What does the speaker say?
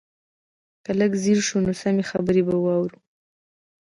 که لږ ځير شو نو سمې خبرې به واورو.